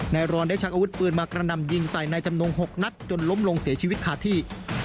รอนได้ชักอาวุธปืนมากระนำยิงใส่นายจำนง๖นัดจนล้มลงเสียชีวิตขาดที่